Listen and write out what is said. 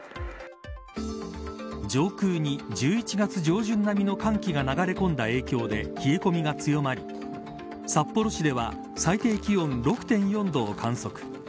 上空に、１１月上旬並みの寒気が流れ込んだ影響で冷え込みが強まり札幌市では最低気温６．４度を観測。